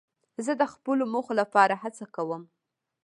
زه د خپلو موخو لپاره هڅه کوم.